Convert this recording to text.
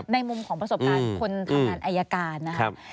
ในมุมของประสบการณ์คนทำงานอายการนะครับ